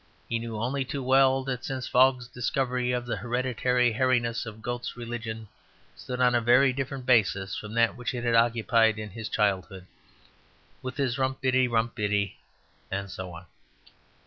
He knew only too well that since Phogg's discovery of the hereditary hairiness of goats religion stood on a very different basis from that which it had occupied in his childhood. With his rumpty iddity, rumpty iddity;" and so on.